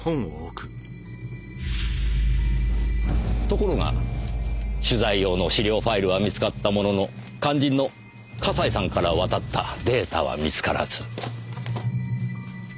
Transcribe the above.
ところが取材用の資料ファイルは見つかったものの肝心の笠井さんから渡ったデータは見つからず。